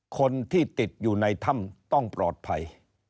คนที่ติดอยู่ในถ้ำต้องปลอดภัย